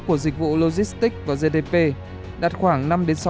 của dịch vụ logistics và gdp đạt khoảng năm sáu